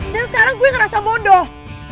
dan sekarang gue ngerasa bodoh